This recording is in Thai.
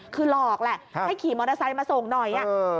คือหลอกแหละให้ขี่มอเตอร์ไซค์มาส่งหน่อย